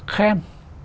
thực sự là khem